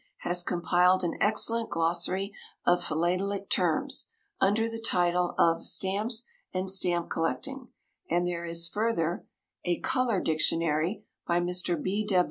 has compiled an excellent glossary of philatelic terms, under the title of Stamps and Stamp Collecting; and there is, further, A Colour Dictionary, by Mr. B.